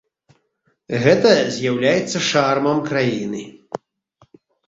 Гэта з'яўляецца шармам краіны.